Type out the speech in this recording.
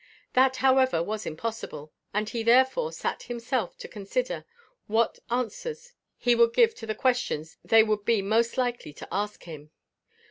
That, however, was impossible, and he, therefore, sat himself to consider what answers he would give to the questions they would be most likely to ask him.